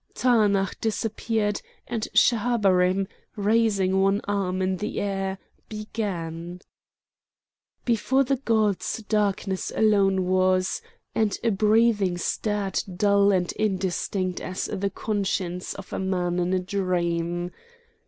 Taanach disappeared, and Schahabarim, raising one arm in the air, began: "Before the gods darkness alone was, and a breathing stirred dull and indistinct as the conscience of a man in a dream.